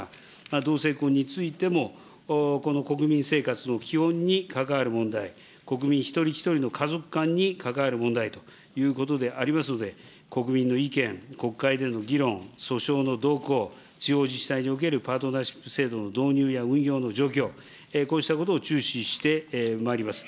同性婚についてもこの国民生活の基本に関わる問題、国民一人一人の家族観に関わる問題ということでありますので、国民の意見、国会での議論、訴訟の動向、地方自治体におけるパートナーシップ制度の導入や運用の状況、こうしたことを注視してまいります。